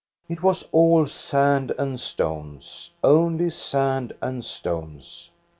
It was all sand and stones, only sand and stones.